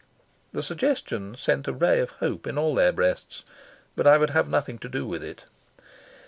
The suggestion sent a ray of hope in all their breasts, but I would have nothing to do with it.